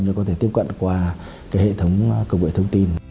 nhưng có thể tiếp cận qua cái hệ thống cơ bội thông tin